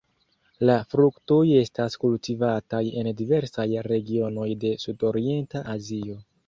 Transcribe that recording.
La fruktoj estas kultivataj en diversaj regionoj de sudorienta Azio.